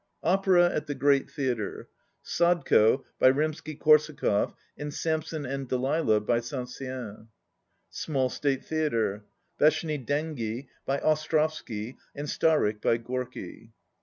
Opera at the Great Theatre. — "Sadko" by Rim sky Korsakov and "Samson and Delilah" by Saint Saens. S,mall State Theatre. — "Besheny Dengi" by Os trovsky and "Starik" by Gorky.